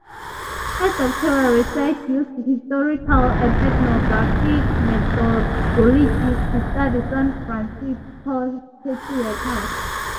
Her doctoral research used historical and ethnographic methodologies to study San Francisco taxi workers.